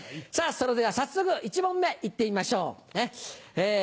さぁそれでは早速１問目行ってみましょう。